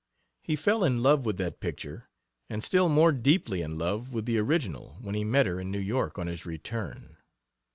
He fell in love with that picture, and still more deeply in love with the original when he met her in New York on his return.